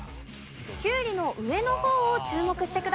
きゅうりの上の方を注目してください。